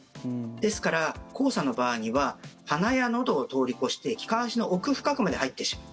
ですから、黄砂の場合には鼻やのどを通り越して気管支の奥深くまで入ってしまう。